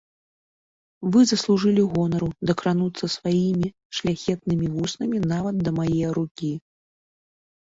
Вы заслужылі гонару дакрануцца сваімі шляхетнымі вуснамі нават да мае рукі.